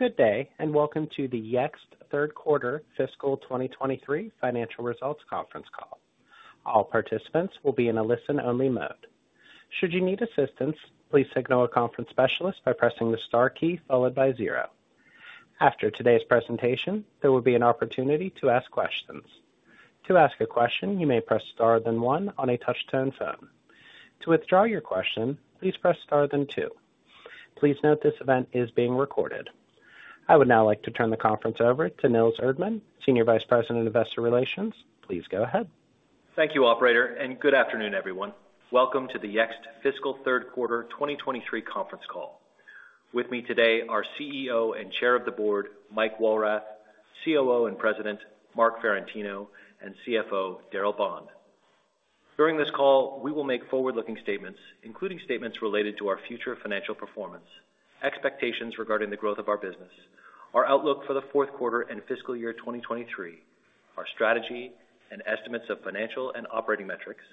Good day, welcome to the Yext third quarter fiscal 2023 financial results conference call. All participants will be in a listen-only mode. Should you need assistance, please signal a conference specialist by pressing the star key followed by zero. After today's presentation, there will be an opportunity to ask questions. To ask a question, you may press star then one on a touch-tone phone. To withdraw your question, please press star then two. Please note this event is being recorded. I would now like to turn the conference over to Nils Erdmann, Senior Vice President of Investor Relations. Please go ahead. Thank you, operator, and good afternoon, everyone. Welcome to the Yext fiscal third quarter 2023 conference call. With me today are CEO and Chair of the Board, Mike Walrath, COO and President, Marc Ferrentino, and CFO, Darryl Bond. During this call, we will make forward-looking statements, including statements related to our future financial performance, expectations regarding the growth of our business, our outlook for the fourth quarter and fiscal year 2023, our strategy and estimates of financial and operating metrics,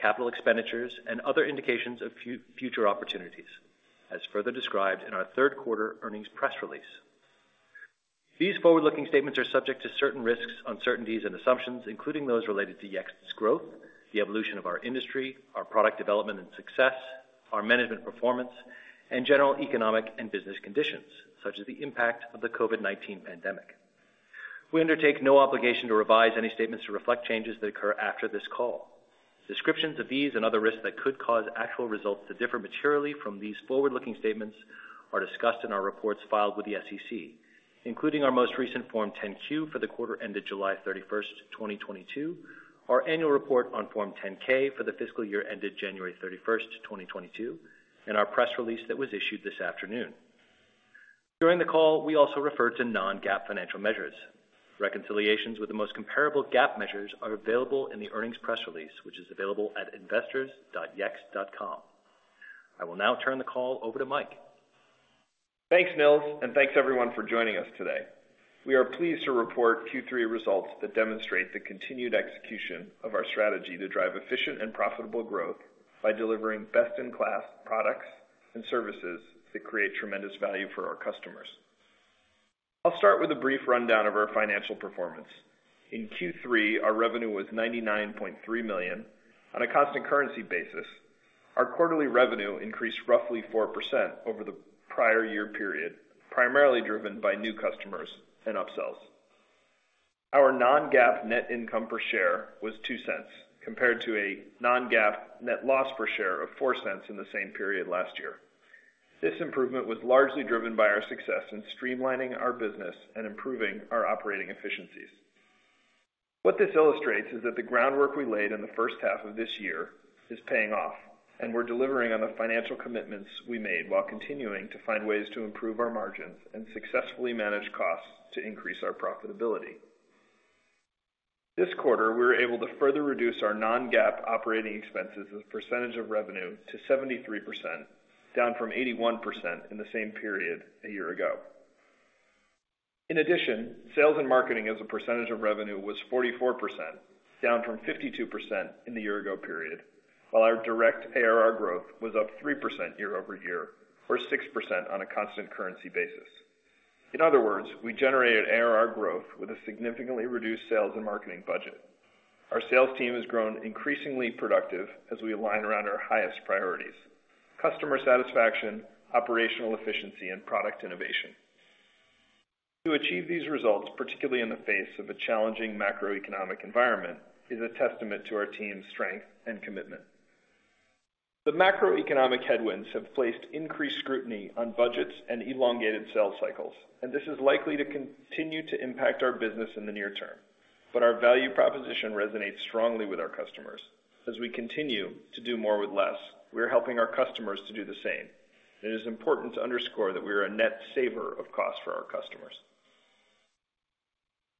capital expenditures, and other indications of future opportunities, as further described in our third quarter earnings press release. These forward-looking statements are subject to certain risks, uncertainties and assumptions, including those related to Yext's growth, the evolution of our industry, our product development and success, our management performance, and general economic and business conditions, such as the impact of the COVID-19 pandemic. We undertake no obligation to revise any statements to reflect changes that occur after this call. Descriptions of these and other risks that could cause actual results to differ materially from these forward-looking statements are discussed in our reports filed with the SEC, including our most recent Form 10-Q for the quarter ended July 31, 2022, our annual report on Form 10-K for the fiscal year ended January 31, 2022, and our press release that was issued this afternoon. During the call, we also refer to non-GAAP financial measures. Reconciliations with the most comparable GAAP measures are available in the earnings press release, which is available at investors.yext.com. I will now turn the call over to Mike. Thanks, Nils. Thanks, everyone, for joining us today. We are pleased to report Q3 results that demonstrate the continued execution of our strategy to drive efficient and profitable growth by delivering best-in-class products and services that create tremendous value for our customers. I'll start with a brief rundown of our financial performance. In Q3, our revenue was $99.3 million. On a constant currency basis, our quarterly revenue increased roughly 4% over the prior year period, primarily driven by new customers and upsells. Our non-GAAP net income per share was $0.02, compared to a non-GAAP net loss per share of $0.04 in the same period last year. This improvement was largely driven by our success in streamlining our business and improving our operating efficiencies. What this illustrates is that the groundwork we laid in the first half of this year is paying off. We're delivering on the financial commitments we made while continuing to find ways to improve our margins and successfully manage costs to increase our profitability. This quarter, we were able to further reduce our non-GAAP operating expenses as a percentage of revenue to 73%, down from 81% in the same period a year-ago. Sales and marketing as a percentage of revenue was 44%, down from 52% in the year-ago period, while our direct ARR growth was up 3% year-over-year, or 6% on a constant currency basis. We generated ARR growth with a significantly reduced sales and marketing budget. Our sales team has grown increasingly productive as we align around our highest priorities: customer satisfaction, operational efficiency, and product innovation. To achieve these results, particularly in the face of a challenging macroeconomic environment, is a testament to our team's strength and commitment. The macroeconomic headwinds have placed increased scrutiny on budgets and elongated sales cycles, and this is likely to continue to impact our business in the near term. Our value proposition resonates strongly with our customers. As we continue to do more with less, we are helping our customers to do the same. It is important to underscore that we are a net saver of cost for our customers.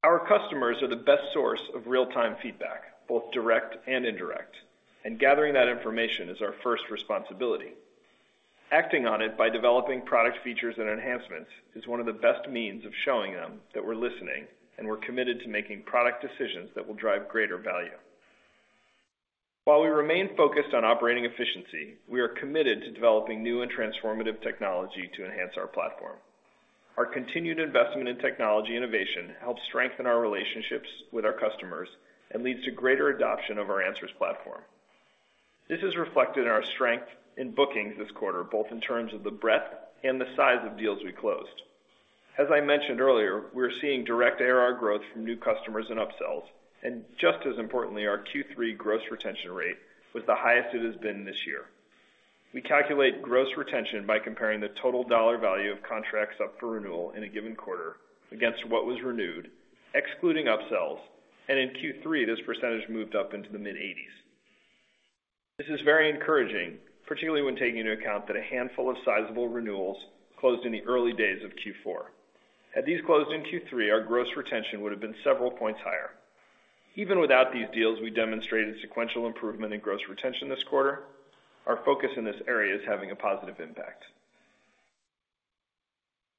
Our customers are the best source of real-time feedback, both direct and indirect, and gathering that information is our first responsibility. Acting on it by developing product features and enhancements is one of the best means of showing them that we're listening and we're committed to making product decisions that will drive greater value. While we remain focused on operating efficiency, we are committed to developing new and transformative technology to enhance our platform. Our continued investment in technology innovation helps strengthen our relationships with our customers and leads to greater adoption of our Answers Platform. This is reflected in our strength in bookings this quarter, both in terms of the breadth and the size of deals we closed. As I mentioned earlier, we're seeing direct ARR growth from new customers and upsells, and just as importantly, our Q3 gross retention rate was the highest it has been this year. We calculate gross retention by comparing the total dollar value of contracts up for renewal in a given quarter against what was renewed, excluding upsells. In Q3, this percentage moved up into the mid-eighties. This is very encouraging, particularly when taking into account that a handful of sizable renewals closed in the early days of Q4. Had these closed in Q3, our gross retention would have been several points higher. Even without these deals, we demonstrated sequential improvement in gross retention this quarter. Our focus in this area is having a positive impact.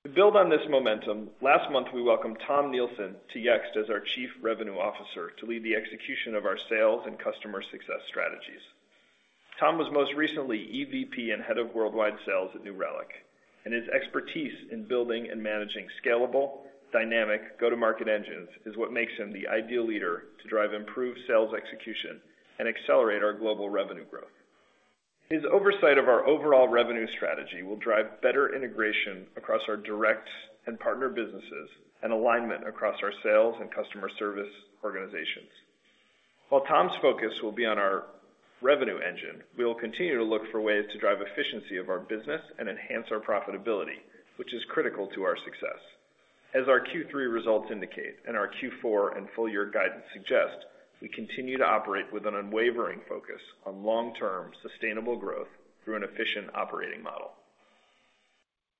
To build on this momentum, last month, we welcomed Tom Nielsen to Yext as our Chief Revenue Officer to lead the execution of our sales and customer success strategies. Tom was most recently EVP and Head of Worldwide Sales at New Relic. His expertise in building and managing scalable, dynamic go-to-market engines is what makes him the ideal leader to drive improved sales execution and accelerate our global revenue growth. His oversight of our overall revenue strategy will drive better integration across our direct and partner businesses and alignment across our sales and customer service organizations. While Tom's focus will be on our revenue engine, we will continue to look for ways to drive efficiency of our business and enhance our profitability, which is critical to our success. As our Q3 results indicate and our Q4 and full year guidance suggest, we continue to operate with an unwavering focus on long-term sustainable growth through an efficient operating model.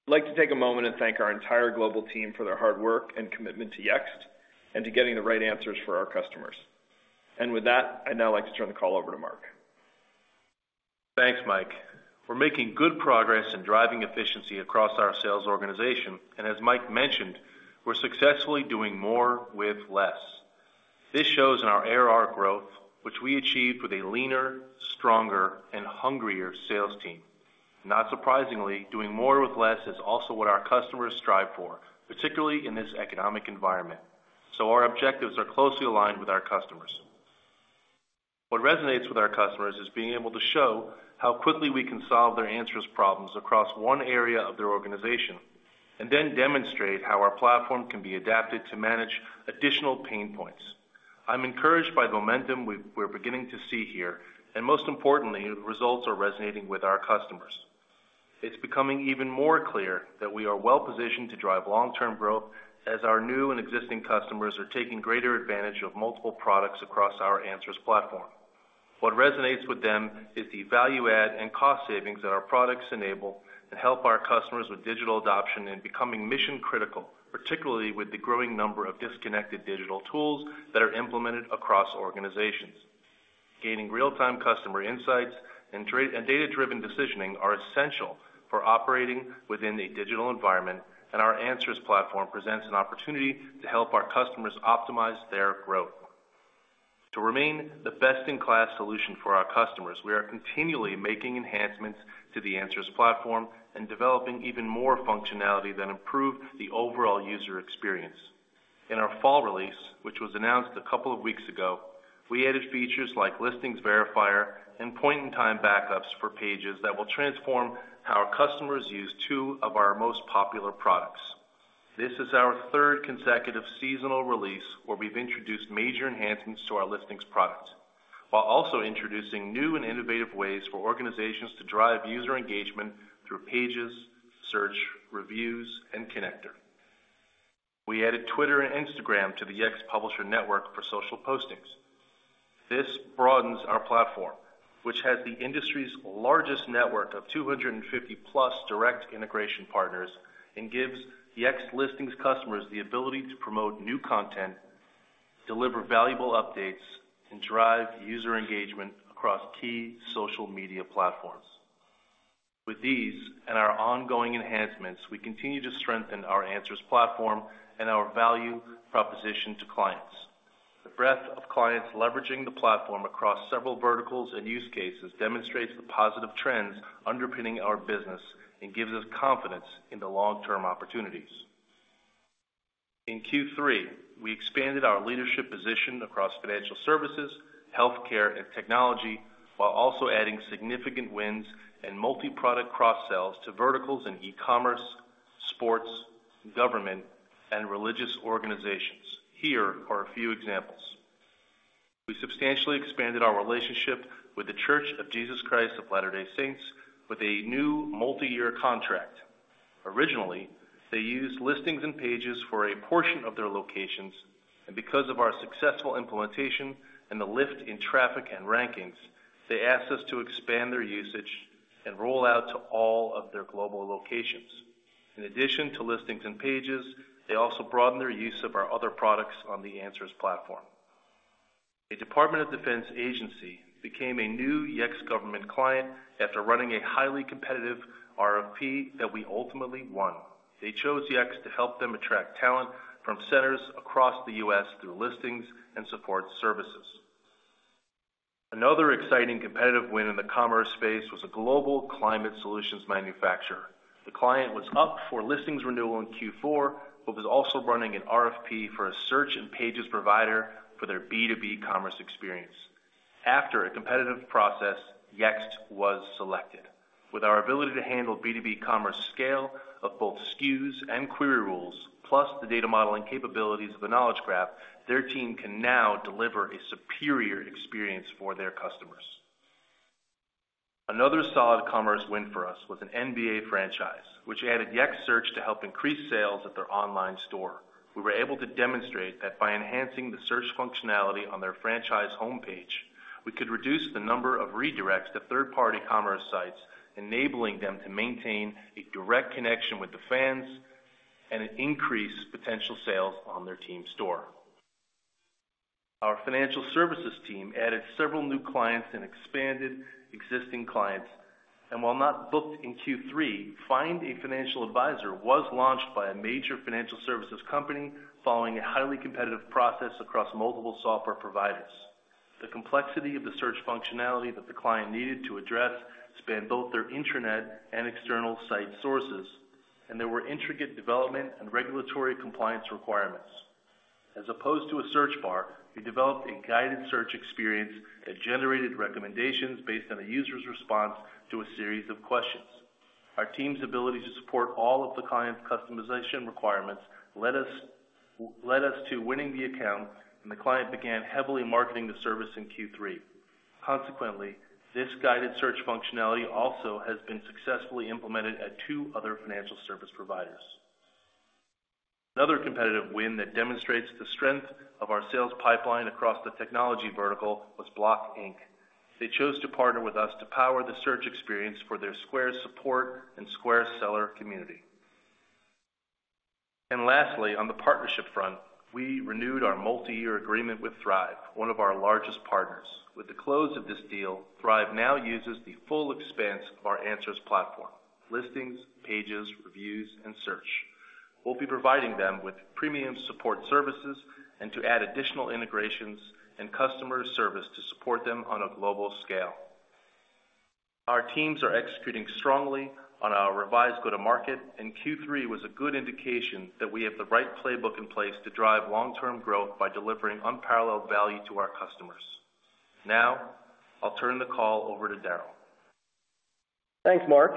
I'd like to take a moment and thank our entire global team for their hard work and commitment to Yext and to getting the right answers for our customers. With that, I'd now like to turn the call over to Marc. Thanks, Mike. We're making good progress in driving efficiency across our sales organization, as Mike mentioned, we're successfully doing more with less. This shows in our ARR growth, which we achieved with a leaner, stronger, and hungrier sales team. Not surprisingly, doing more with less is also what our customers strive for, particularly in this economic environment. Our objectives are closely aligned with our customers. What resonates with our customers is being able to show how quickly we can solve their answers problems across one area of their organization, and then demonstrate how our platform can be adapted to manage additional pain points. I'm encouraged by the momentum we're beginning to see here, and most importantly, results are resonating with our customers. It's becoming even more clear that we are well-positioned to drive long-term growth as our new and existing customers are taking greater advantage of multiple products across our Answers Platform. What resonates with them is the value add and cost savings that our products enable to help our customers with digital adoption and becoming mission-critical, particularly with the growing number of disconnected digital tools that are implemented across organizations. Gaining real-time customer insights and data-driven decisioning are essential for operating within a digital environment, and our Answers Platform presents an opportunity to help our customers optimize their growth. To remain the best-in-class solution for our customers, we are continually making enhancements to the Answers Platform and developing even more functionality that improve the overall user experience. In our fall release, which was announced a couple of weeks ago, we added features like Listings Verifier and point-in-time backups for Pages that will transform how our customers use two of our most popular products. This is our third consecutive seasonal release where we've introduced major enhancements to our Listings product, while also introducing new and innovative ways for organizations to drive user engagement through Pages, Search, Reviews and Connector. We added Twitter and Instagram to the Yext Publisher Network for social postings. This broadens our platform, which has the industry's largest network of 250-plus direct integration partners, and gives Yext Listings customers the ability to promote new content, deliver valuable updates, and drive user engagement across key social media platforms. With these and our ongoing enhancements, we continue to strengthen our Answers Platform and our value proposition to clients. The breadth of clients leveraging the platform across several verticals and use cases demonstrates the positive trends underpinning our business and gives us confidence in the long-term opportunities. In Q3, we expanded our leadership position across financial services, healthcare, and technology, while also adding significant wins and multi-product cross sells to verticals in e-commerce, sports, government, and religious organizations. Here are a few examples. We substantially expanded our relationship with The Church of Jesus Christ of Latter-day Saints with a new multi-year contract. Originally, they used Listings and Pages for a portion of their locations, and because of our successful implementation and the lift in traffic and rankings, they asked us to expand their usage and roll out to all of their global locations. In addition to Listings and Pages, they also broadened their use of our other products on the Answers Platform. A Department of Defense agency became a new Yext government client after running a highly competitive RFP that we ultimately won. They chose Yext to help them attract talent from centers across the U.S. through Listings and Support Services. Another exciting competitive win in the commerce space was a global climate solutions manufacturer. The client was up for Listings renewal in Q4, but was also running an RFP for a Search and Pages provider for their B2B commerce experience. After a competitive process, Yext was selected. With our ability to handle B2B commerce scale of both SKUs and query rules, plus the data modeling capabilities of the Knowledge Graph, their team can now deliver a superior experience for their customers. Another solid commerce win for us was an NBA franchise, which added Yext Search to help increase sales at their online store. We were able to demonstrate that by enhancing the search functionality on their franchise homepage, we could reduce the number of redirects to third-party commerce sites, enabling them to maintain a direct connection with the fans and increase potential sales on their team store. Our financial services team added several new clients and expanded existing clients. While not booked in Q3, Find a Financial Advisor was launched by a major financial services company following a highly competitive process across multiple software providers. The complexity of the search functionality that the client needed to address spanned both their intranet and external site sources, and there were intricate development and regulatory compliance requirements. As opposed to a search bar, we developed a guided search experience that generated recommendations based on a user's response to a series of questions. Our team's ability to support all of the client's customization requirements led us to winning the account, and the client began heavily marketing the service in Q3. Consequently, this guided search functionality also has been successfully implemented at two other financial service providers. Another competitive win that demonstrates the strength of our sales pipeline across the technology vertical was Block, Inc. They chose to partner with us to power the search experience for their Square Support and Square Seller Community. Lastly, on the partnership front, we renewed our multi-year agreement with Thryv, one of our largest partners. With the close of this deal, Thryv now uses the full expanse of our Answers Platform, Listings, Pages, Reviews, and Search. We'll be providing them with premium Support Services and to add additional integrations and customer service to support them on a global scale. Our teams are executing strongly on our revised go-to-market, and Q3 was a good indication that we have the right playbook in place to drive long-term growth by delivering unparalleled value to our customers. Now, I'll turn the call over to Darryl. Thanks, Marc.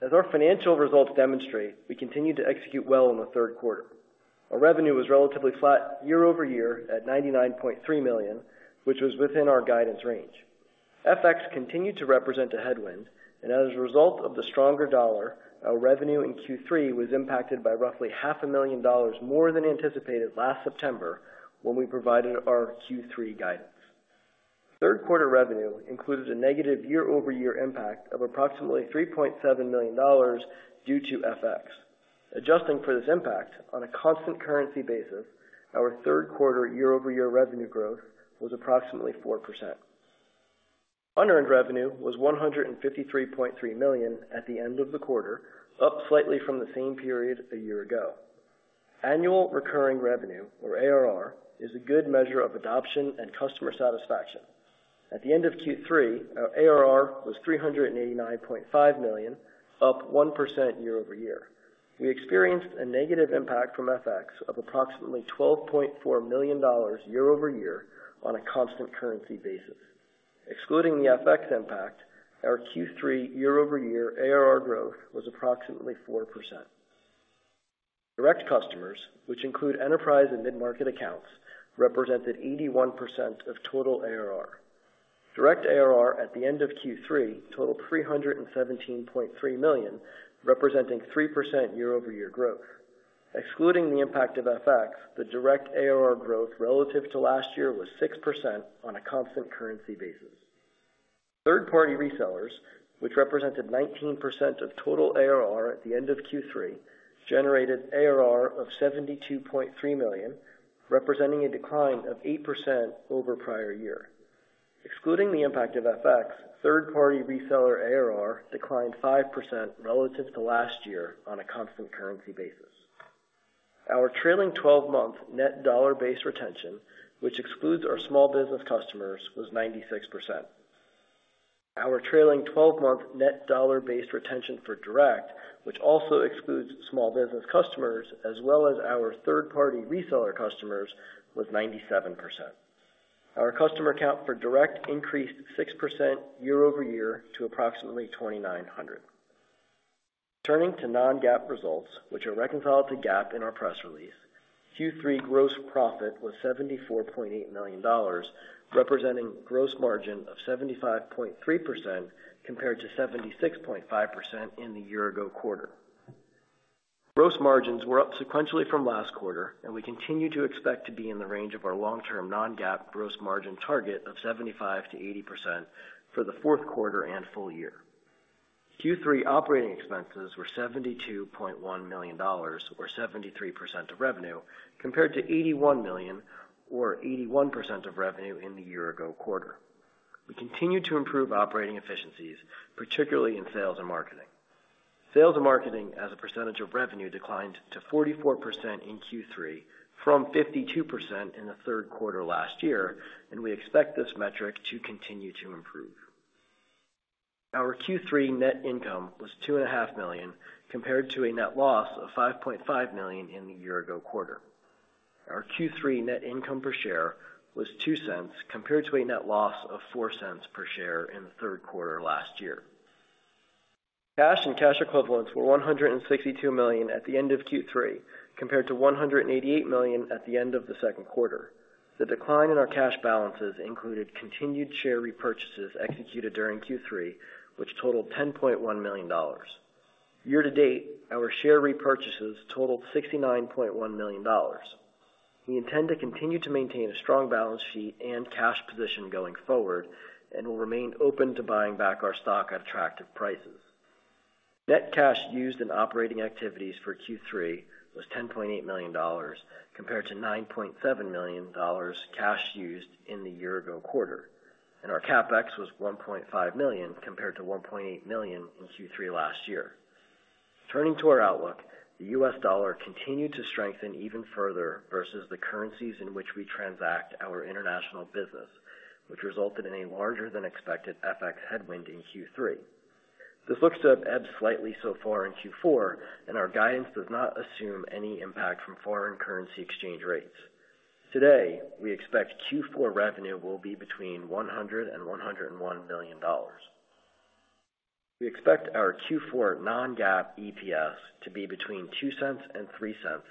As our financial results demonstrate, we continue to execute well in the third quarter. Our revenue was relatively flat year-over-year at $99.3 million, which was within our guidance range. FX continued to represent a headwind, and as a result of the stronger dollar, our revenue in Q3 was impacted by roughly half a million dollars more than anticipated last September when we provided our Q3 guidance. Third quarter revenue included a negative year-over-year impact of approximately $3.7 million due to FX. Adjusting for this impact, on a constant currency basis, our third quarter year-over-year revenue growth was approximately 4%. Unearned revenue was $153.3 million at the end of the quarter, up slightly from the same period a year ago. Annual recurring revenue, or ARR, is a good measure of adoption and customer satisfaction. At the end of Q3, our ARR was $389.5 million, up 1% year-over-year. We experienced a negative impact from FX of approximately $12.4 million year-over-year on a constant currency basis. Excluding the FX impact, our Q3 year-over-year ARR growth was approximately 4%. Direct customers, which include enterprise and mid-market accounts, represented 81% of total ARR. Direct ARR at the end of Q3 totaled $317.3 million, representing 3% year-over-year growth. Excluding the impact of FX, the direct ARR growth relative to last year was 6% on a constant currency basis. Third-party resellers, which represented 19% of total ARR at the end of Q3, generated ARR of $72.3 million, representing a decline of 8% over prior year. Excluding the impact of FX, third-party reseller ARR declined 5% relative to last year on a constant currency basis. Our trailing-twelve-month Net Dollar-Based Retention, which excludes our small business customers, was 96%. Our trailing-twelve-month Net Dollar-Based Retention for direct, which also excludes small business customers as well as our third-party reseller customers, was 97%. Our customer count for direct increased 6% year-over-year to approximately 2,900. Turning to non-GAAP results, which are reconciled to GAAP in our press release. Q3 gross profit was $74.8 million, representing gross margin of 75.3% compared to 76.5% in the year-ago quarter. Gross margins were up sequentially from last quarter. We continue to expect to be in the range of our long-term non-GAAP gross margin target of 75%-80% for the fourth quarter and full year. Q3 OpEx were $72.1 million or 73% of revenue, compared to $81 million or 81% of revenue in the year ago quarter. We continue to improve operating efficiencies, particularly in sales and marketing. Sales and marketing as a percentage of revenue declined to 44% in Q3 from 52% in the third quarter last year. We expect this metric to continue to improve. Our Q3 net income was $2.5 million, compared to a net loss of $5.5 million in the year ago quarter. Our Q3 net income per share was $0.02, compared to a net loss of $0.04 per share in the third quarter last year. Cash and cash equivalents were $162 million at the end of Q3, compared to $188 million at the end of the second quarter. The decline in our cash balances included continued share repurchases executed during Q3, which totaled $10.1 million. Year to date, our share repurchases totaled $69.1 million. We intend to continue to maintain a strong balance sheet and cash position going forward and will remain open to buying back our stock at attractive prices. Net cash used in operating activities for Q3 was $10.8 million compared to $9.7 million cash used in the year ago quarter. Our CapEx was $1.5 million compared to $1.8 million in Q3 last year. Turning to our outlook, the US dollar continued to strengthen even further versus the currencies in which we transact our international business, which resulted in a larger than expected FX headwind in Q3. This looks to have ebbed slightly so far in Q4, and our guidance does not assume any impact from foreign currency exchange rates. Today, we expect Q4 revenue will be between $100 million-$101 million. We expect our Q4 non-GAAP EPS to be between $0.02 and $0.03,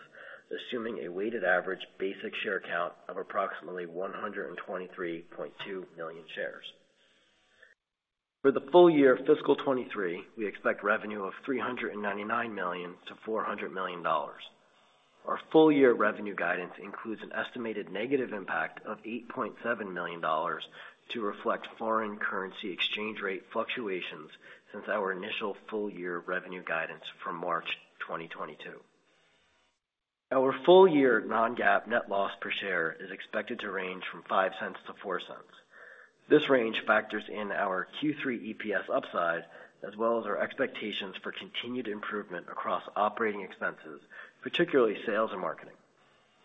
assuming a weighted average basic share count of approximately 123.2 million shares. For the full year of fiscal 23, we expect revenue of $399 million-$400 million. Our full-year revenue guidance includes an estimated negative impact of $8.7 million to reflect foreign currency exchange rate fluctuations since our initial full-year revenue guidance from March 2022. Our full-year non-GAAP net loss per share is expected to range from $0.05-$0.04. This range factors in our Q3 EPS upside, as well as our expectations for continued improvement across operating expenses, particularly sales and marketing.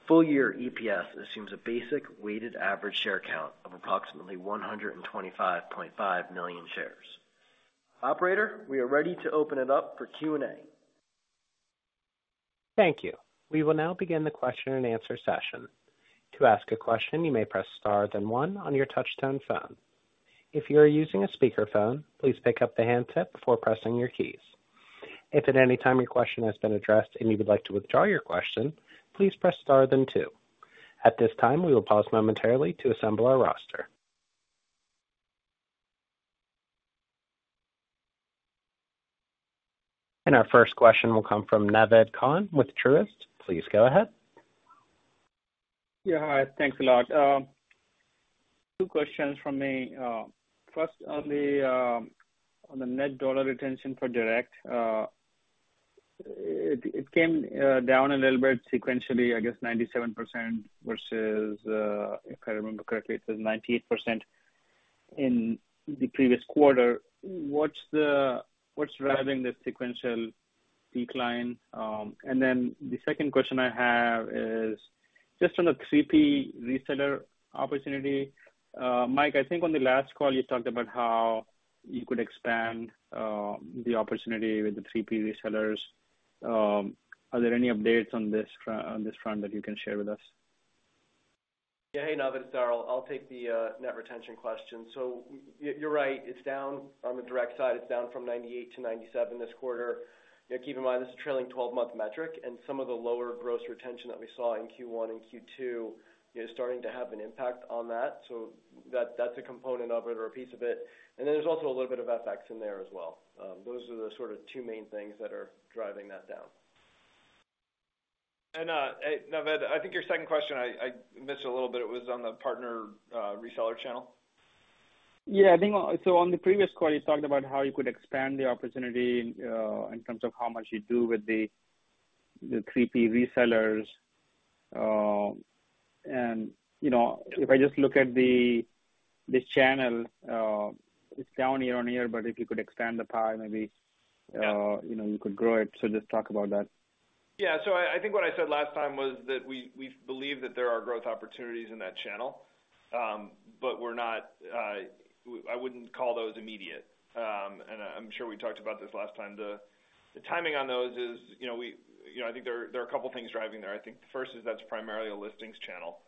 Full-year EPS assumes a basic weighted average share count of approximately 125.5 million shares. Operator, we are ready to open it up for Q&A. Thank you. We will now begin the question-and-answer session. To ask a question, you may press star then one on your touch-tone phone. If you are using a speakerphone, please pick up the handset before pressing your keys. If at any time your question has been addressed and you would like to withdraw your question, please press star then two. At this time, we will pause momentarily to assemble our roster. Our first question will come from Naved Khan with Truist. Please go ahead. Yeah. Hi. Thanks a lot. Two questions from me. First on the Net Dollar Retention for direct. It came down a little bit sequentially, I guess 97% versus if I remember correctly, it says 98% in the previous quarter. What's driving the sequential decline? The second question I have is just on the 3P reseller opportunity. Mike, I think on the last call, you talked about how you could expand the opportunity with the 3P resellers. Are there any updates on this front that you can share with us? Yeah. Hey, Naved, it's Darryl. I'll take the net retention question. You're right, it's down. On the direct side, it's down from 98% to 97% this quarter. You know, keep in mind, this is a trailing 12-month metric, and some of the lower gross retention that we saw in Q1 and Q2 is starting to have an impact on that. That's a component of it or a piece of it. There's also a little bit of FX in there as well. Those are the sort of two main things that are driving that down. Naved, I think your second question I missed a little bit. It was on the partner, reseller channel. Yeah. On the previous call, you talked about how you could expand the opportunity in terms of how much you do with the 3P resellers. You know, if I just look at this channel, it's down year-on-year, but if you could expand the pie, maybe, you know, you could grow it. Just talk about that. Yeah. I think what I said last time was that we believe that there are growth opportunities in that channel. We're not, I wouldn't call those immediate. I'm sure we talked about this last time. The, the timing on those is, you know, You know, I think there are, there are a couple of things driving there. I think the first is that's primarily a Listings channel,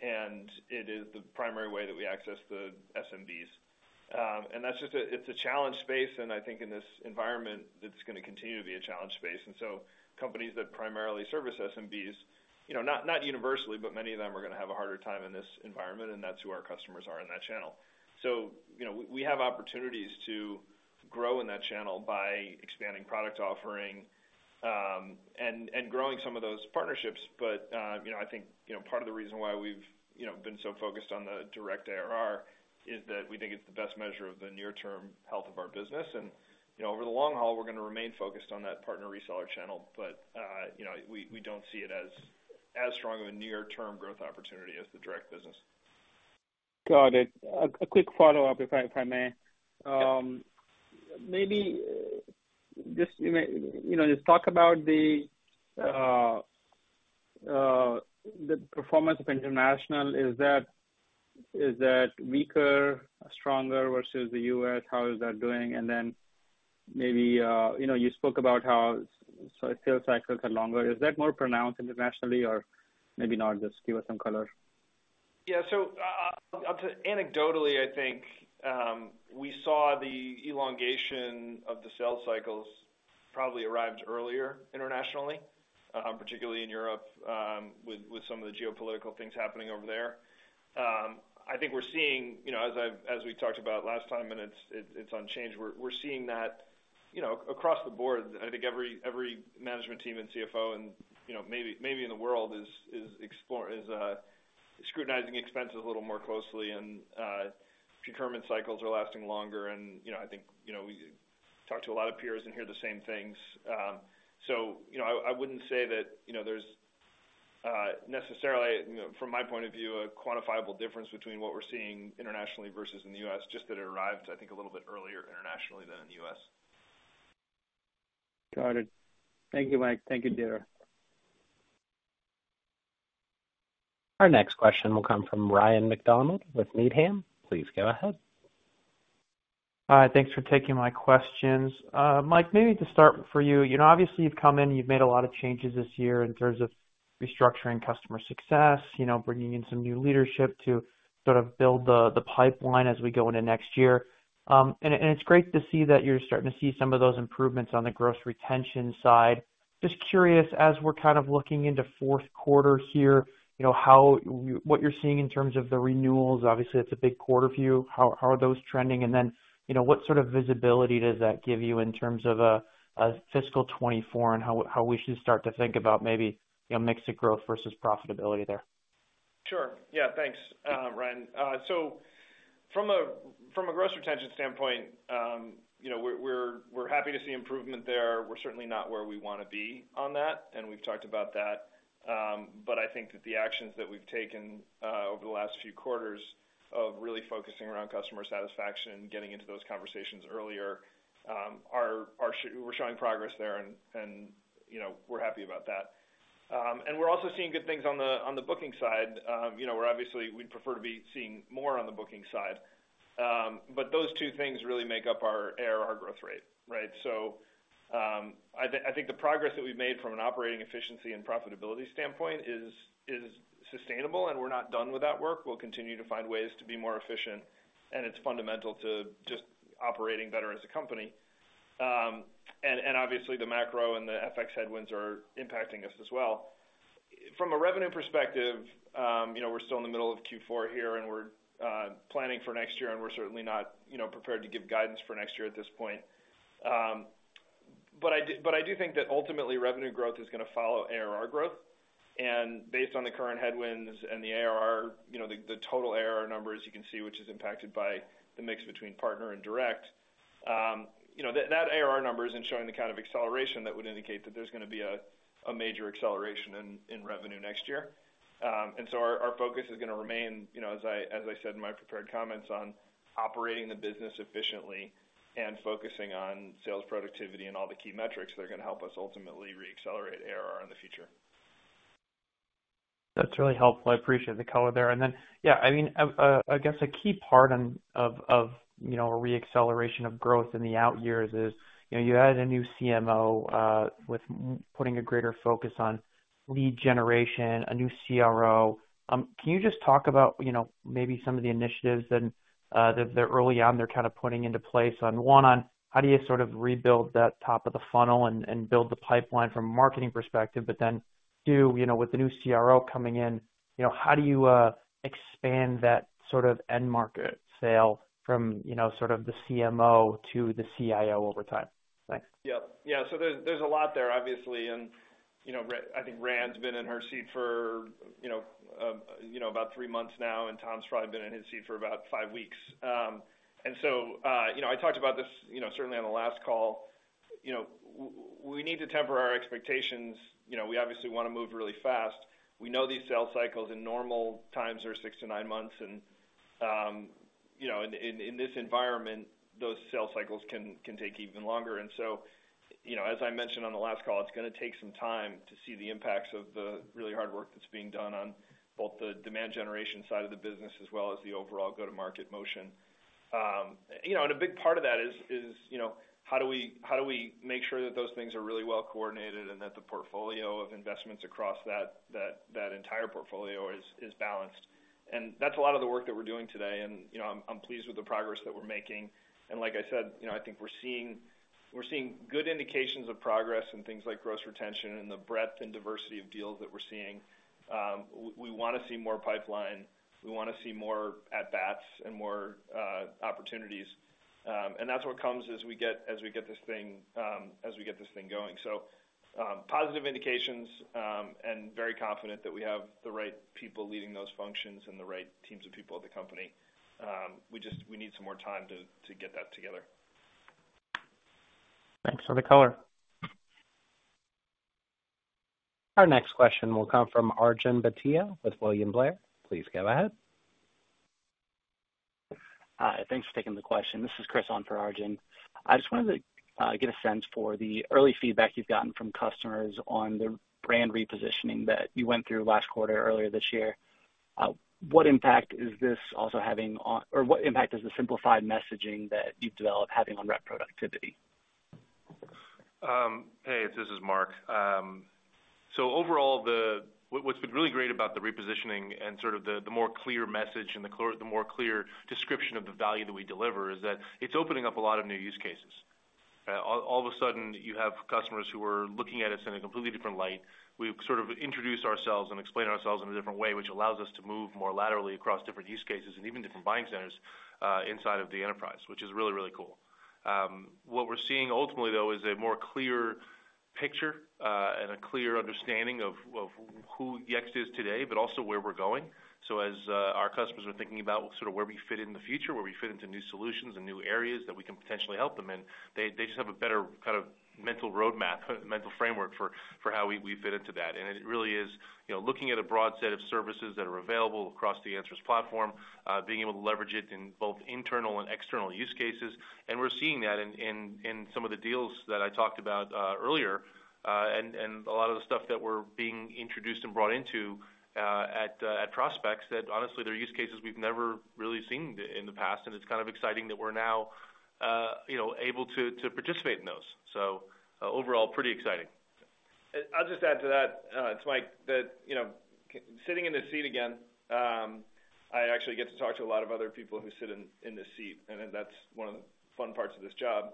and it is the primary way that we access the SMBs. That's just it's a challenged space, and I think in this environment, it's gonna continue to be a challenged space. Companies that primarily service SMBs, you know, not universally, but many of them are gonna have a harder time in this environment, and that's who our customers are in that channel. You know, we have opportunities to grow in that channel by expanding product offering, and growing some of those partnerships. You know, I think, you know, part of the reason why we've, you know, been so focused on the direct ARR is that we think it's the best measure of the near-term health of our business. You know, over the long haul, we're gonna remain focused on that partner reseller channel. You know, we don't see it as strong of a near-term growth opportunity as the direct business. Got it. A quick follow-up, if I may. Yeah. Maybe just, you know, just talk about the performance of international. Is that weaker, stronger versus the U.S.? How is that doing? Maybe, you know, you spoke about how sales cycles are longer. Is that more pronounced internationally or maybe not? Just give us some color. Yeah. Up to anecdotally, I think, we saw the elongation of the sales cycles probably arrived earlier internationally, particularly in Europe, with some of the geopolitical things happening over there. I think we're seeing, you know, as we talked about last time, and it's unchanged, we're seeing that, you know, across the board. I think every management team and CFO and, you know, maybe in the world is scrutinizing expenses a little more closely. Procurement cycles are lasting longer, and, you know, I think, you know, we talk to a lot of peers and hear the same things. You know, I wouldn't say that, you know, there's, necessarily, you know, from my point of view, a quantifiable difference between what we're seeing internationally versus in the U.S. Just that it arrived, I think, a little bit earlier internationally than in the U.S. Got it. Thank you, Mike. Thank you, Naved. Our next question will come from Ryan MacDonald with Needham. Please go ahead. Hi. Thanks for taking my questions. Mike, maybe to start for you. You know, obviously, you've come in, you've made a lot of changes this year in terms of restructuring customer success, you know, bringing in some new leadership to sort of build the pipeline as we go into next year. It's great to see that you're starting to see some of those improvements on the gross retention side. Just curious, as we're kind of looking into fourth quarter here, you know, what you're seeing in terms of the renewals. Obviously, it's a big quarter for you. How are those trending? Then, you know, what sort of visibility does that give you in terms of a fiscal 2024, and how we should start to think about maybe, you know, mix of growth versus profitability there? Sure. Thanks, Ryan. From a gross retention standpoint, you know, we're happy to see improvement there. We're certainly not where we wanna be on that, and we've talked about that. I think that the actions that we've taken over the last few quarters of really focusing around customer satisfaction, getting into those conversations earlier, we're showing progress there and, you know, we're happy about that. We're also seeing good things on the booking side. You know, where obviously we'd prefer to be seeing more on the booking side. Those two things really make up our ARR, our growth rate, right? I think the progress that we've made from an operating efficiency and profitability standpoint is sustainable, and we're not done with that work. We'll continue to find ways to be more efficient, and it's fundamental to just operating better as a company. Obviously, the macro and the FX headwinds are impacting us as well. From a revenue perspective, you know, we're still in the middle of Q4 here, and we're planning for next year, and we're certainly not, you know, prepared to give guidance for next year at this point. I do think that ultimately revenue growth is gonna follow ARR growth. Based on the current headwinds and the ARR, you know, the total ARR numbers you can see which is impacted by the mix between partner and direct, you know, that ARR number isn't showing the kind of acceleration that would indicate that there's gonna be a major acceleration in revenue next year. Our focus is gonna remain, you know, as I said in my prepared comments on operating the business efficiently and focusing on sales productivity and all the key metrics that are gonna help us ultimately reaccelerate ARR in the future. That's really helpful. I appreciate the color there. Yeah, I mean, I guess a key part on, of, you know, a reacceleration of growth in the out years is, you know, you added a new CMO, with putting a greater focus on lead generation, a new CRO. Can you just talk about, you know, maybe some of the initiatives then, that early on they're kind of putting into place on how do you sort of rebuild that top of the funnel and build the pipeline from a marketing perspective, but then do, you know, with the new CRO coming in, you know, how do you expand that sort of end market sale from, you know, sort of the CMO to the CIO over time? Thanks. Yeah. Yeah. So there's a lot there, obviously. You know, I think Ryan's been in her seat for, you know, you know, about 3 months now, and Tom's probably been in his seat for about 5 weeks. You know, I talked about this, you know, certainly on the last call. You know, we need to temper our expectations. You know, we obviously wanna move really fast. We know these sales cycles in normal times are 6-9 months, and, you know, in this environment, those sales cycles can take even longer. You know, as I mentioned on the last call, it's gonna take some time to see the impacts of the really hard work that's being done on both the demand generation side of the business as well as the overall go-to-market motion. You know, and a big part of that is, you know, how do we make sure that those things are really well coordinated and that the portfolio of investments across that entire portfolio is balanced. That's a lot of the work that we're doing today. You know, I'm pleased with the progress that we're making. Like I said, you know, I think we're seeing good indications of progress in things like gross retention and the breadth and diversity of deals that we're seeing. We wanna see more pipeline. We wanna see more at bats and more opportunities. That's what comes as we get this thing, as we get this thing going. Positive indications, and very confident that we have the right people leading those functions and the right teams of people at the company. We just, we need some more time to get that together. Thanks for the color. Our next question will come from Arjun Bhatia with William Blair. Please go ahead. Hi. Thanks for taking the question. This is Chris on for Arjun. I just wanted to get a sense for the early feedback you've gotten from customers on the brand repositioning that you went through last quarter, earlier this year. What impact is the simplified messaging that you've developed having on rep productivity? Hey, this is Marc. Overall, what's been really great about the repositioning and sort of the more clear message and the more clear description of the value that we deliver is that it's opening up a lot of new use cases. All of a sudden, you have customers who are looking at us in a completely different light. We've sort of introduced ourselves and explained ourselves in a different way, which allows us to move more laterally across different use cases and even different buying centers inside of the enterprise, which is really, really cool. What we're seeing ultimately, though, is a more clear. Picture, and a clear understanding of who Yext is today, but also where we're going. As our customers are thinking about sort of where we fit in the future, where we fit into new solutions and new areas that we can potentially help them in, they just have a better kind of mental roadmap, mental framework for how we fit into that. It really is, you know, looking at a broad set of services that are available across the Answers Platform, being able to leverage it in both internal and external use cases. We're seeing that in some of the deals that I talked about earlier. And a lot of the stuff that we're being introduced and brought into at prospects that honestly, they're use cases we've never really seen in the past. It's kind of exciting that we're now, you know, able to participate in those. Overall, pretty exciting. I'll just add to that, Mike, that, you know, sitting in this seat again, I actually get to talk to a lot of other people who sit in this seat, and that's one of the fun parts of this job.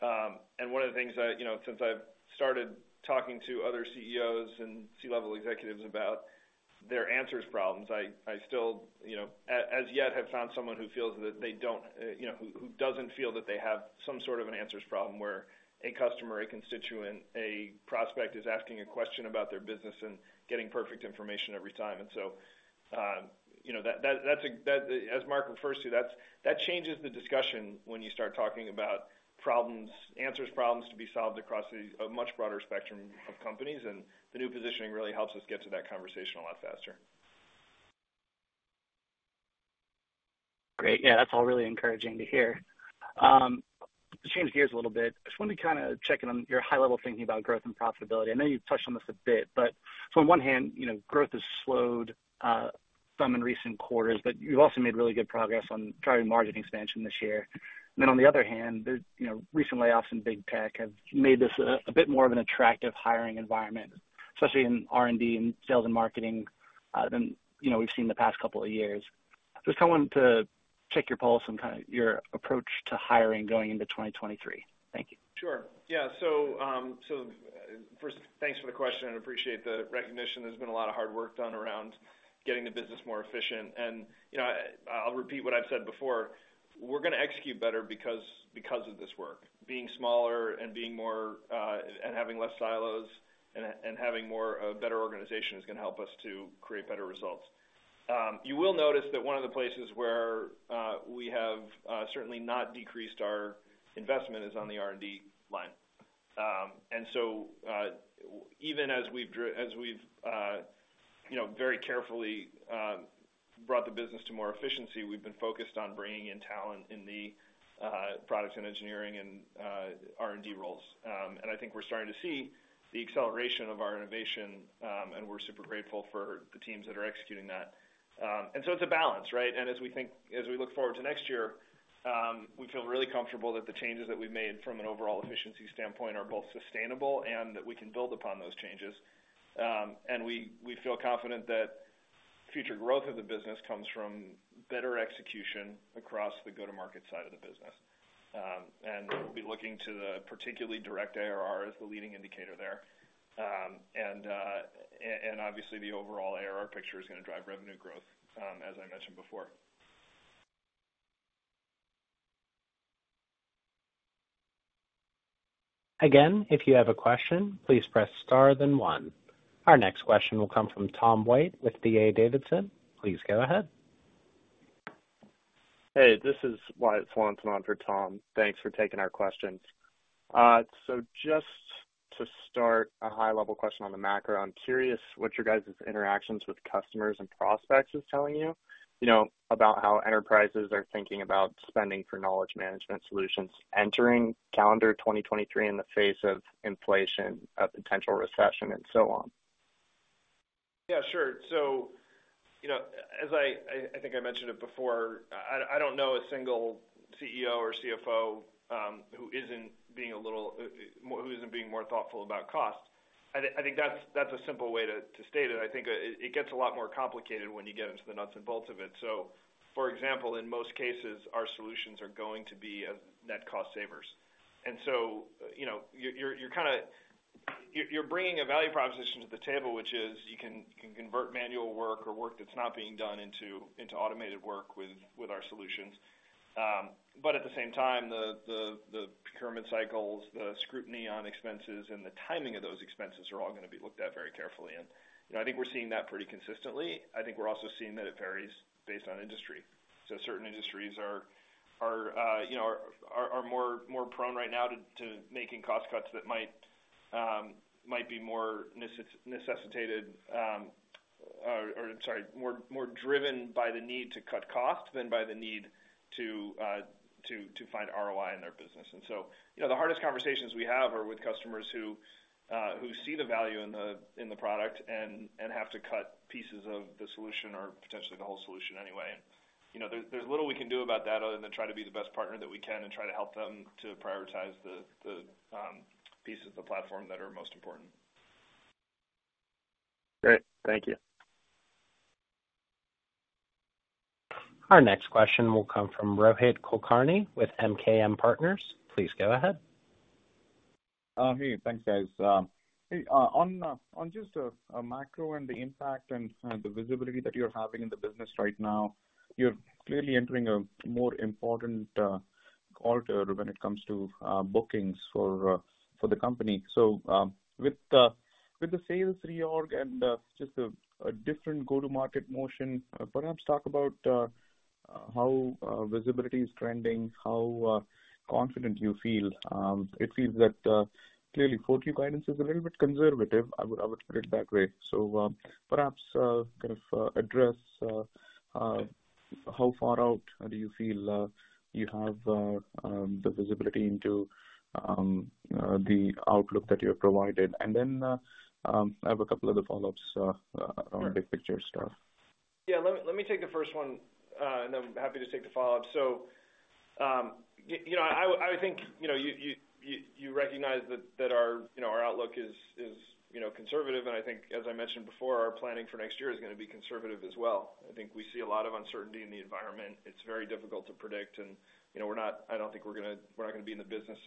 One of the things I... You know, since I've started talking to other CEOs and C-level executives about their Answers problems, I still, you know, as yet have found someone who feels that they don't, you know, who doesn't feel that they have some sort of an Answers problem where a customer, a constituent, a prospect is asking a question about their business and getting perfect information every time. you know, that's as Marc refers to, that changes the discussion when you start talking about problems, Answers problems to be solved across a much broader spectrum of companies. The new positioning really helps us get to that conversation a lot faster. Great. Yeah, that's all really encouraging to hear. To change gears a little bit, I just wanted to kind of check in on your high-level thinking about growth and profitability. I know you've touched on this a bit. On one hand, you know, growth has slowed some in recent quarters, but you've also made really good progress on driving margin expansion this year. On the other hand, there's, you know, recent layoffs in big tech have made this a bit more of an attractive hiring environment, especially in R&D and sales and marketing, than, you know, we've seen the past couple of years. Just wanting to check your pulse on kind of your approach to hiring going into 2023. Thank you. Sure. Yeah. First, thanks for the question and appreciate the recognition. There's been a lot of hard work done around getting the business more efficient. You know, I'll repeat what I've said before. We're gonna execute better because of this work. Being smaller and being more, and having less silos and having a better organization is gonna help us to create better results. You will notice that one of the places where we have certainly not decreased our investment is on the R&D line. Even as we've, you know, very carefully brought the business to more efficiency, we've been focused on bringing in talent in the products and engineering and R&D roles. I think we're starting to see the acceleration of our innovation, and we're super grateful for the teams that are executing that. So it's a balance, right? As we look forward to next year, we feel really comfortable that the changes that we've made from an overall efficiency standpoint are both sustainable and that we can build upon those changes. We feel confident that future growth of the business comes from better execution across the go-to-market side of the business. We'll be looking to the particularly direct ARR as the leading indicator there. And obviously, the overall ARR picture is gonna drive revenue growth, as I mentioned before. If you have a question, please press star then 1. Our next question will come from Tom White with D.A. Davidson. Please go ahead. Hey, this is Wyatt Swanson for Tom. Thanks for taking our questions. Just to start a high-level question on the macro, I'm curious what your guys' interactions with customers and prospects is telling you know, about how enterprises are thinking about spending for knowledge management solutions entering calendar 2023 in the face of inflation, a potential recession and so on. Yeah, sure. You know, as I think I mentioned it before, I don't know a single CEO or CFO who isn't being more thoughtful about cost. I think that's a simple way to state it. I think it gets a lot more complicated when you get into the nuts and bolts of it. For example, in most cases, our solutions are going to be net cost savers. You know, you're kinda bringing a value proposition to the table, which is you can convert manual work or work that's not being done into automated work with our solutions. At the same time, the procurement cycles, the scrutiny on expenses and the timing of those expenses are all gonna be looked at very carefully. You know, I think we're seeing that pretty consistently. I think we're also seeing that it varies based on industry. Certain industries are, you know, are more prone right now to making cost cuts that might be more necessitated, or sorry, more driven by the need to cut costs than by the need to find ROI in their business. You know, the hardest conversations we have are with customers who see the value in the product and have to cut pieces of the solution or potentially the whole solution anyway. You know, there's little we can do about that other than try to be the best partner that we can and try to help them to prioritize the pieces of the platform that are most important. Great. Thank you. Our next question will come from Rohit Kulkarni with MKM Partners. Please go ahead. Hey, thanks, guys. Hey, on just a macro and the impact and the visibility that you're having in the business right now, you're clearly entering a more important quarter when it comes to bookings for the company. With the sales reorg and just a different go-to-market motion, perhaps talk about how visibility is trending, how confident you feel? It seems that clearly 4Q guidance is a little bit conservative. I would put it that way. Perhaps kind of address how far out do you feel you have the visibility into the outlook that you have provided? Then I have a couple other follow-ups on the big picture stuff. Let me take the first one, and then happy to take the follow-up. You know, I think, you know, you recognize that our, you know, our outlook is, you know, conservative. I think as I mentioned before, our planning for next year is gonna be conservative as well. I think we see a lot of uncertainty in the environment. It's very difficult to predict. You know, we're not gonna be in the business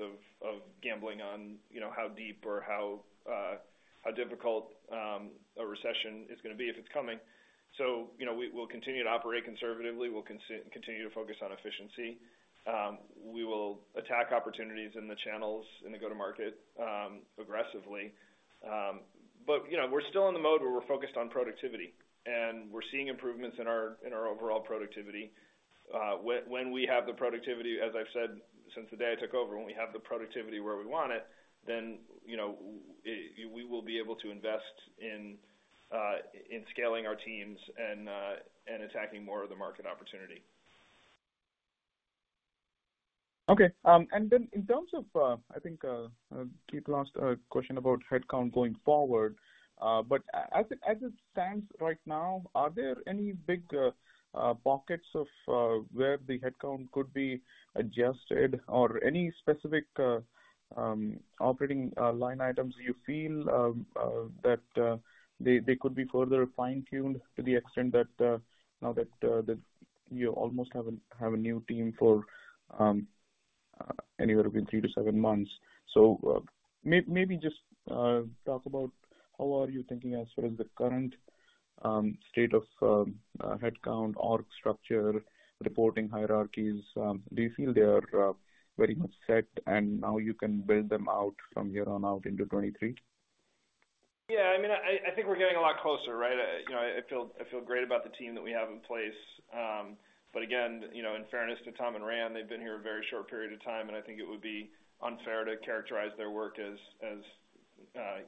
of gambling on, you know, how deep or how difficult a recession is gonna be if it's coming. You know, we'll continue to operate conservatively. We'll continue to focus on efficiency. We will attack opportunities in the channels and the go-to-market aggressively. You know, we're still in the mode where we're focused on productivity, and we're seeing improvements in our overall productivity. When, when we have the productivity, as I've said since the day I took over, when we have the productivity where we want it, then, you know, we will be able to invest in scaling our teams and attacking more of the market opportunity. Okay. In terms of, I think, Chris asked a question about headcount going forward. As it stands right now, are there any big pockets of where the headcount could be adjusted or any specific operating line items you feel that they could be further fine-tuned to the extent that now that you almost have a new team for anywhere between 3 to 7 months. Maybe just talk about how are you thinking as far as the current state of headcount, org structure, reporting hierarchies, do you feel they are very much set and now you can build them out from here on out into 2023? Yeah, I mean, I think we're getting a lot closer, right? You know, I feel great about the team that we have in place. Again, you know, in fairness to Tom and Ryan, they've been here a very short period of time, and I think it would be unfair to characterize their work as,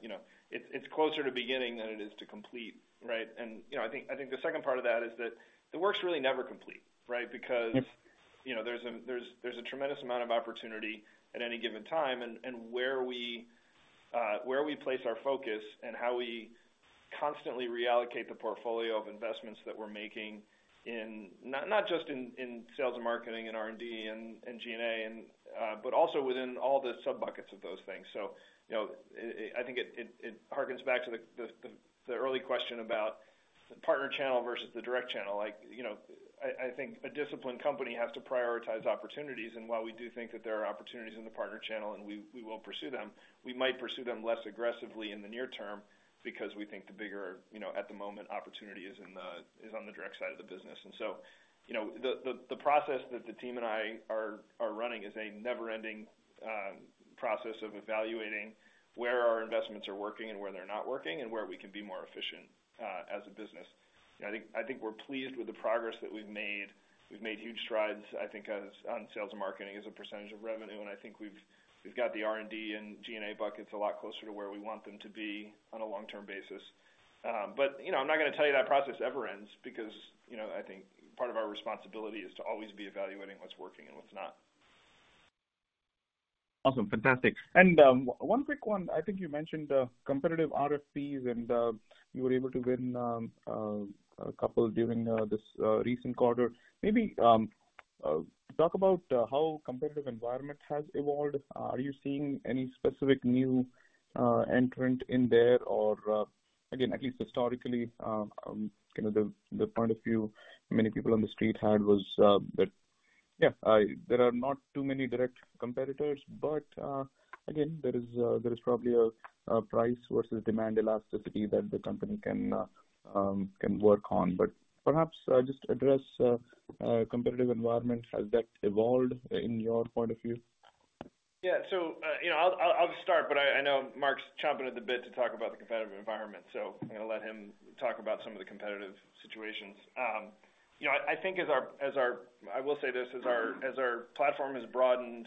you know... It's closer to beginning than it is to complete, right? You know, I think the second part of that is that the work's really never complete, right? Because. Yeah... you know, there's a tremendous amount of opportunity at any given time and where we place our focus and how we constantly reallocate the portfolio of investments that we're making in. Not just in sales and marketing and R&D and G&A and, but also within all the sub-buckets of those things. You know, I think it harkens back to the early question about the partner channel versus the direct channel. Like, you know, I think a disciplined company has to prioritize opportunities, and while we do think that there are opportunities in the partner channel and we will pursue them. We might pursue them less aggressively in the near term because we think the bigger, you know, at the moment opportunity is on the direct side of the business. You know, the process that the team and I are running is a never ending process of evaluating where our investments are working and where they're not working, and where we can be more efficient as a business. You know, I think we're pleased with the progress that we've made. We've made huge strides, I think, on sales and marketing as a percentage of revenue. I think we've got the R&D and G&A buckets a lot closer to where we want them to be on a long-term basis. You know, I'm not gonna tell you that process ever ends because, you know, I think part of our responsibility is to always be evaluating what's working and what's not. Awesome. Fantastic. One quick one. I think you mentioned competitive RFPs and you were able to win a couple during this recent quarter. Maybe talk about how competitive environment has evolved. Are you seeing any specific new entrant in there? Again, at least historically, you know, the point of view many people on the street had was that, yeah, there are not too many direct competitors, but again, there is probably a price versus demand elasticity that the company can work on. Perhaps just address competitive environment. Has that evolved in your point of view? Yeah. you know, I'll start, but I know Marc's chomping at the bit to talk about the competitive environment, so I'm gonna let him talk about some of the competitive situations. you know, I think as our I will say this, as our platform has broadened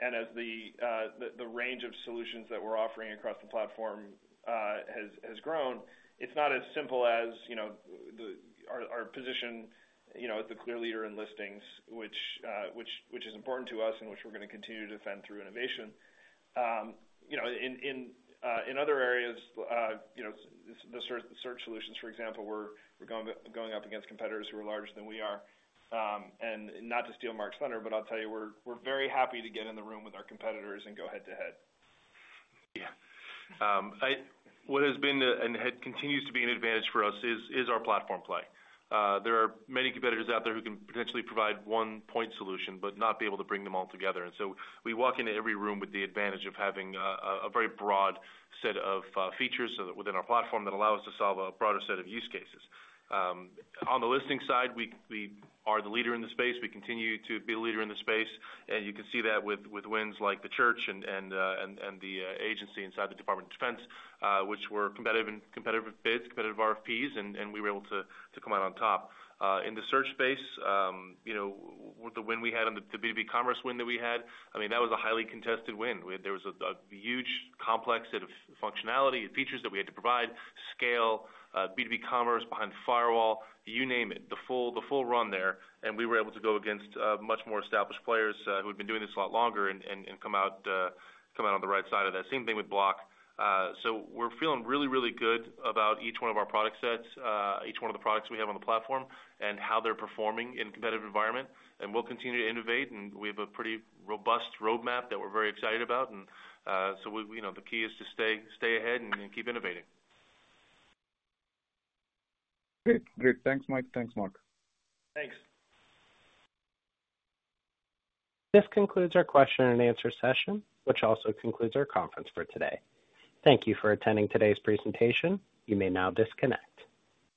and as the range of solutions that we're offering across the platform has grown, it's not as simple as, you know, our position, you know, as the clear leader in Listings, which is important to us and which we're gonna continue to defend through innovation. you know, in other areas, you know, the Search solutions, for example, we're going up against competitors who are larger than we are. Not to steal Marc's thunder, but I'll tell you, we're very happy to get in the room with our competitors and go head-to-head. Yeah. What has been the, and continues to be an advantage for us is our platform play. There are many competitors out there who can potentially provide one point solution but not be able to bring them all together. We walk into every room with the advantage of having a very broad set of features within our platform that allow us to solve a broader set of use cases. On the listing side, we are the leader in the space. We continue to be a leader in the space, and you can see that with wins like the church and the agency inside the Department of Defense, which were competitive bids, competitive RFPs, and we were able to come out on top. In the search space, you know, with the win we had on the B2B commerce win that we had, I mean, that was a highly contested win. We had. There was a huge complex set of functionality and features that we had to provide, scale, B2B commerce behind the firewall, you name it, the full run there. We were able to go against much more established players who had been doing this a lot longer and come out on the right side of that. Same thing with Block. We're feeling really, really good about each one of our product sets, each one of the products we have on the platform and how they're performing in competitive environment. We'll continue to innovate, and we have a pretty robust roadmap that we're very excited about. We, you know, the key is to stay ahead and keep innovating. Great. Great. Thanks, Mike. Thanks, Marc. Thanks. This concludes our question and answer session, which also concludes our conference for today. Thank you for attending today's presentation. You may now disconnect.